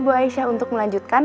bu aisyah untuk melanjutkan